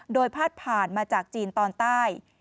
โดยพาดผ่านมาจากจีนตอนใต้